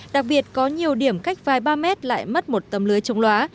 đặc biệt có nhiều điểm cách vài ba mét lại mất một tấm lưới chống loá